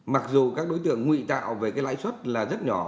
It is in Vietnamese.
mặc dù các đối tượng nguy tạo về cái lãi suất là rất nhỏ